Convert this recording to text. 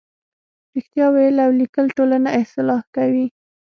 رښتیا ویل او لیکل ټولنه اصلاح کوي.